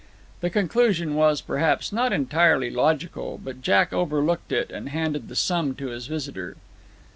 The conclusion was, perhaps, not entirely logical, but Jack overlooked it, and handed the sum to his visitor.